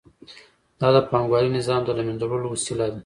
دا د پانګوالي نظام د له منځه وړلو وسیله ده